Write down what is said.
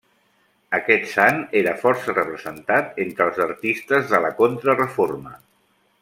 Aquest sant era força representat entre els artistes de la Contrareforma.